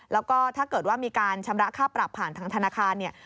แล้วก็ถ้าเกิดว่ามีการชำระค่าปรับผ่านทางธนาคารเนี่ย